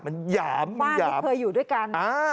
บ้านเคยอยู่ด้วยกัน